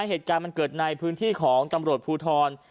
เหตุการณ์มันเกิดในพื้นที่ของตำรวจภูทร